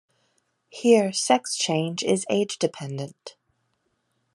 Here sex change is age-dependent.